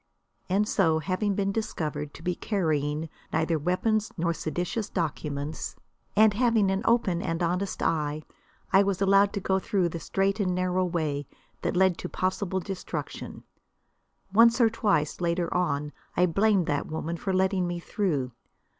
And so, having been discovered to be carrying neither weapons nor seditious documents, and having an open and honest eye, I was allowed to go through the straight and narrow way that led to possible destruction. Once or twice, later on, I blamed that woman for letting me through.